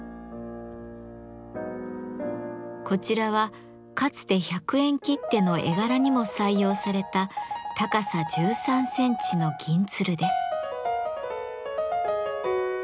こちらはかつて１００円切手の絵柄にも採用された高さ１３センチの「銀鶴」です。